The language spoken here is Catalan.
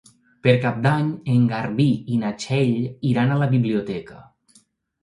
Per Cap d'Any en Garbí i na Txell iran a la biblioteca.